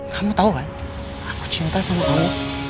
kamu tahu kan aku cinta sama kamu